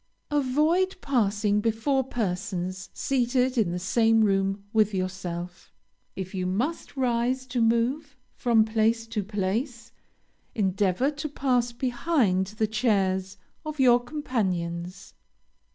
Avoid passing before persons seated in the same room with yourself. If you must rise to move from place to place, endeavor to pass behind the chairs of your companions.